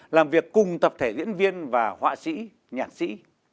làm việc cùng tập thể diễn viên và họa sĩ nhạc sĩ